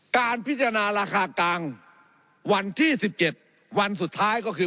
การพิจารณาราคากลางวันที่๑๗วันสุดท้ายก็คือ